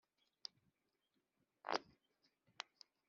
Pilato ahamagara Yesu aramubaza ati